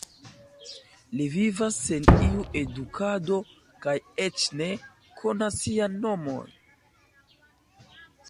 Li vivas sen iu edukado kaj eĉ ne konas sian nomon.